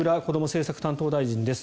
政策担当大臣です。